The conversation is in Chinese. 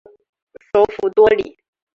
首府多里。